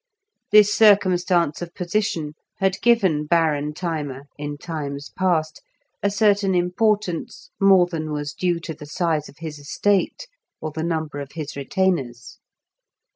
This circumstance of position had given Baron Thyma, in times past, a certain importance more than was due to the size of his estate or the number of his retainers.